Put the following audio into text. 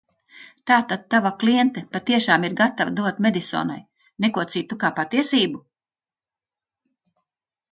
"Tātad tava kliente patiešām ir gatava dot Medisonai "Neko citu, kā patiesību"?"